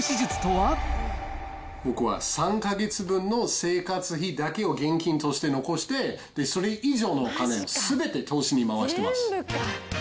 僕は３か月分の生活費だけを現金として残して、それ以上のお金をすべて投資に回してます。